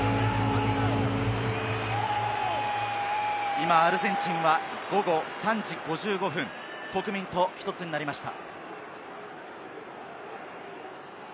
今アルゼンチンは午後３時５５分、国民と一つになりました。